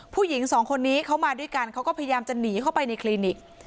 ผู้หญิงสองคนนี้เขามาด้วยกันเขาก็พยายามจะหนีเข้าไปในคลินิก